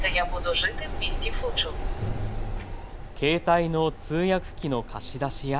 携帯の通訳機の貸し出しや。